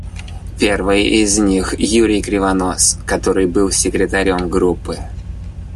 Первый из них — Юрий Кривонос, который был секретарем Группы.